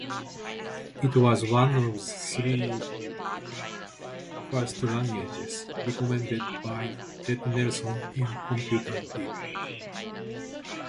It was one of three "first languages" recommended by Ted Nelson in "Computer Lib".